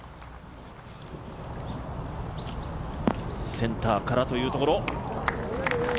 センターからというところ。